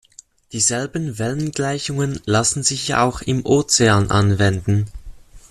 Dieselben Wellengleichungen lassen sich auch im Ozean anwenden.